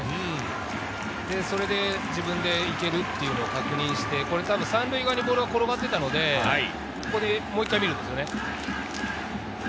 それで自分でいけると確認して３塁側にボールが転がっていたので、ここでもう１回見ます。